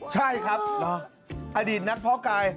ใช่ครับอดีตนักเพาะกาย